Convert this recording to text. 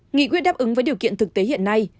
nghị quyết đáp ứng với điều kiện thực tế hiện nay